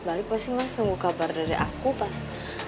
balik pasti mas nemu kabar dari aku pas